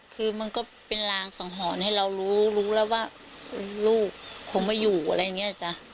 คือมันก็เป็นรางสังหรณ์ให้เรารู้รู้แล้วว่าลูกคงไม่อยู่อะไรอย่างนี้จ้ะ